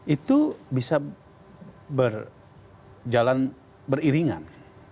itu bisa berjalan beriringan